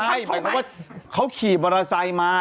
หมายความว่าเขาขี่บราไซด์มา